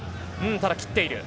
ただ切っている。